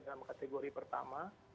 dalam kategori pertama